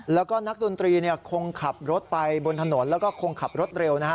แล้วก็นักดนตรีคงขับรถไปบนถนนแล้วก็คงขับรถเร็วนะฮะ